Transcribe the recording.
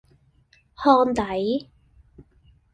烘底